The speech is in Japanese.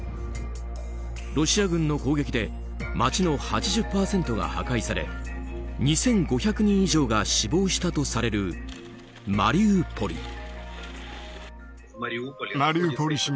ロシア軍の攻撃で街の８０％が破壊され２５００人以上が死亡したとされるマリウポリ。